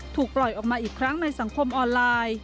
ถูกปล่อยออกมาอีกครั้งในสังคมออนไลน์